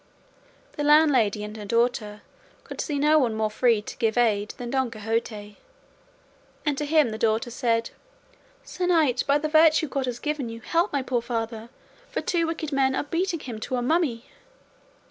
The landlady and her daughter could see no one more free to give aid than Don Quixote, and to him the daughter said, "Sir knight, by the virtue God has given you, help my poor father, for two wicked men are beating him to a mummy."